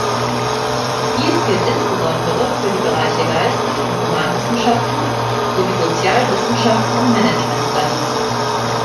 Dies gilt insbesondere für die Bereiche Geistes- und Humanwissenschaften, sowie Sozialwissenschaften und Management Studies.